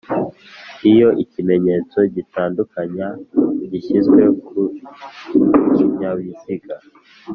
Iyo ikimenyetso gitandukanya gishyizwe ku kinyabiziga